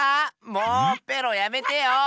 もうペロやめてよ。